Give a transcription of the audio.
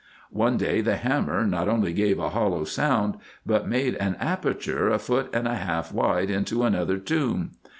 One day the hammer not only gave a hollow sound, but made an aperture a foot and half wide into another tomb.